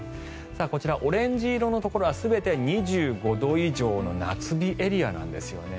こちらオレンジ色のところは全て２５度以上の夏日エリアなんですよね。